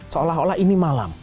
seolah olah ini malam